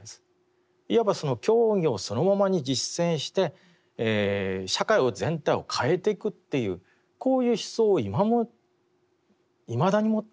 いわば教義をそのままに実践して社会全体を変えていくっていうこういう思想をいまだに持っているんですね。